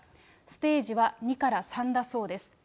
ステージは２から３だそうです。